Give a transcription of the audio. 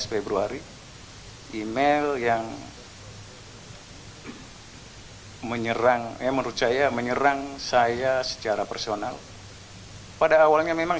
februari email yang menyerang ya menurut saya menyerang saya secara personal pada awalnya memang